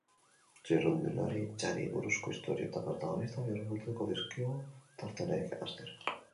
Txirrindularitzari buruzko istorio eta protagonistak hurbilduko dizkigu tarte honek astero.